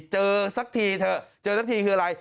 สักทีเถอะเจอสักทีคืออะไร